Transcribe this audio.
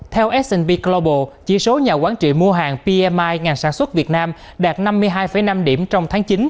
theo s p global chi số nhà quán trị mua hàng pmi ngàn sản xuất việt nam đạt năm mươi hai năm điểm trong tháng chín